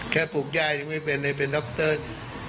แค่ปลูกย่ายังไม่เป็นให้เป็นด็อคเตอร์ดิ